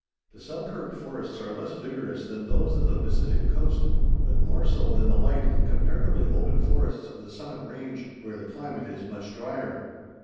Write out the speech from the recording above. The Selkirk forests are less vigorous than those of the Pacific coast, but more so than the light and comparatively open forests of the Summit Range, where the climate is much drier.